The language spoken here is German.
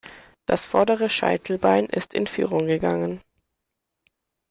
Das vordere Scheitelbein ist in Führung gegangen.